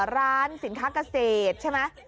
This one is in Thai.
ร้านสินค้าเกษตรใช่ไหม